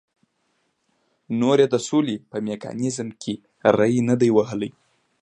نور یې د سولې په میکانیزم کې ری نه دی وهلی.